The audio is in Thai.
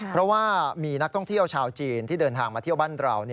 เพราะว่ามีนักท่องเที่ยวชาวจีนที่เดินทางมาเที่ยวบ้านเรา